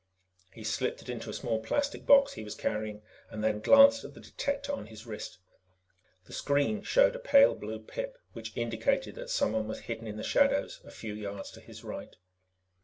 He slipped it into a small plastic box he was carrying and then glanced at the detector on his wrist. The screen showed a pale blue pip which indicated that someone was hidden in the shadows a few yards to his right.